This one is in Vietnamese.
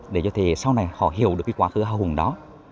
để cho thế sau này họ hiểu được cái quá khứ hào hùng đó